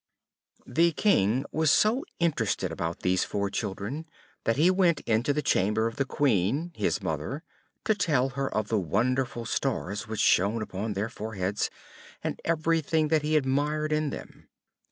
The King was so interested about these four children, that he went into the chamber of the Queen, his mother, to tell her of the wonderful stars which shone upon their foreheads, and everything that he admired in them.